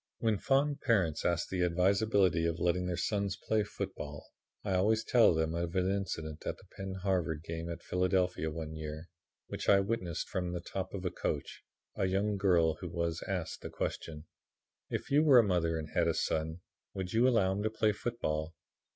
"When fond parents ask the advisability of letting their sons play football, I always tell them of an incident at the Penn Harvard game at Philadelphia, one year, which I witnessed from the top of a coach. A young girl was asked the question: "'If you were a mother and had a son, would you allow him to play football?'